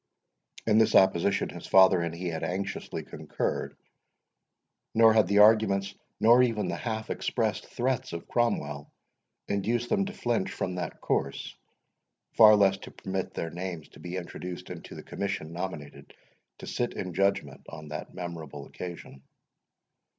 In this opposition, his father and he had anxiously concurred, nor had the arguments, nor even the half expressed threats of Cromwell, induced them to flinch from that course, far less to permit their names to be introduced into the commission nominated to sit in judgment on that memorable occasion.